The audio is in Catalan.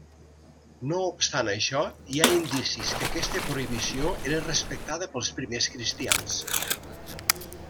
No obstant això, hi ha indicis que aquesta prohibició era respectada pels primers cristians.